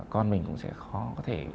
con mình cũng sẽ khó có thể